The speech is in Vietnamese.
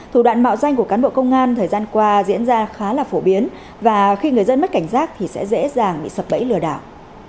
thủ đoạn mạo danh của cán bộ công an thời gian qua diễn ra khá là phổ biến và khi người dân mất cảnh giác thì sẽ dễ dàng bị sập bẫy lừa đảo